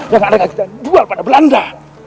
yang ada di jual pada belanda